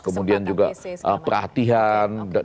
kemudian juga perhatian